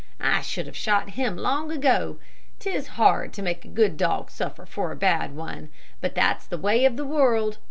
I should have shot him long ago. 'Tis hard to make a good dog suffer for a bad one, but that's the way of the world.